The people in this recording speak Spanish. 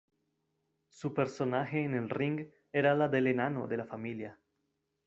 Su personaje en el ring era la del "enano" de la familia.